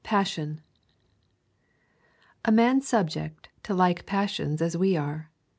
PASSION 'A man subject to like passions as we are.'